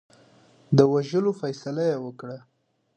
د وژلو فیصله یې وکړه.